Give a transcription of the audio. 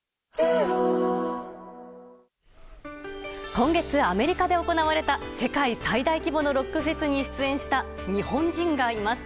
今月、アメリカで行われた世界最大規模のロックフェスに出演した日本人がいます。